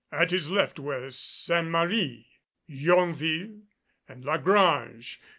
At his left were Saint Marie, Yonville and La Grange.